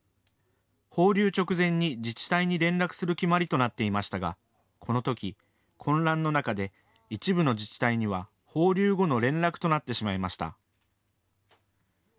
放流直前に自治体に連絡する決まりとなっていましたがこのとき、混乱の中で一部の自治体には放流後の連絡となってしまいました。